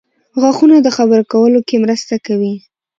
• غاښونه د خبرو کولو کې مرسته کوي.